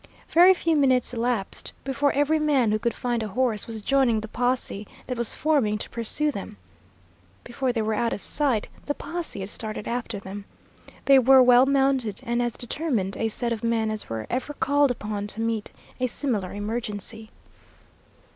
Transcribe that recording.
Very few minutes elapsed before every man who could find a horse was joining the posse that was forming to pursue them. Before they were out of sight the posse had started after them. They were well mounted and as determined a set of men as were ever called upon to meet a similar emergency.